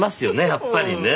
やっぱりね。